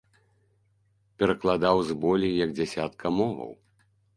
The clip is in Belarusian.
Перакладаў з болей як дзясятка моваў.